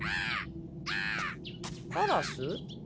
カラス？